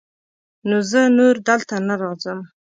نو زه نور دلته نه راځم.